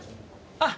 あっ！